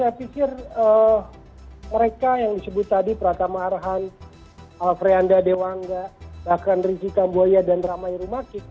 jadi saya pikir mereka yang disebut tadi pratam arhan alfreanda dewangga bahkan rizky kamboya dan ramai rumakit